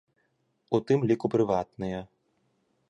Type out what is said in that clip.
У тым ліку прыватныя.